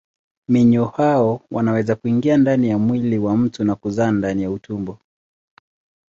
Minyoo hao wanaweza kuingia ndani ya mwili wa mtu na kuzaa ndani ya utumbo.